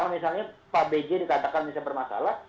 kalau misalnya pak bejie dikatakan bisa bermasalah